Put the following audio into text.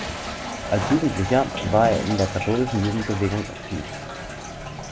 Als Jugendlicher war er in der katholischen Jugendbewegung aktiv.